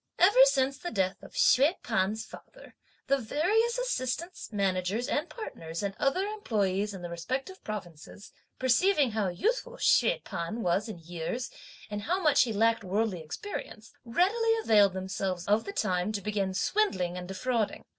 Ever since the death of Hsüeh P'an's father, the various assistants, managers and partners, and other employes in the respective provinces, perceiving how youthful Hsüeh P'an was in years, and how much he lacked worldly experience, readily availed themselves of the time to begin swindling and defrauding.